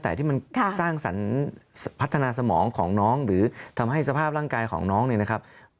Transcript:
แต่ที่มันสร้างสรรค์พัฒนาสมองของน้องหรือทำให้สภาพร่างกายของน้องเนี่ยนะครับ